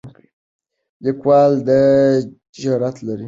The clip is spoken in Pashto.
لیکوال دا جرئت لري.